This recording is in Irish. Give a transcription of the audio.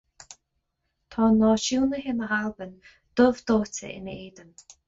Tá náisiúnaithe na hAlban dubh dóite ina éadan.